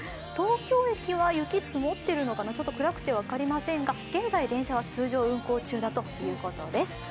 東京駅は雪、積もっているのかな、暗くてよく分かりませんが現在、電車は通常運行中だということです。